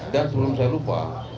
dan sebelum saya lupa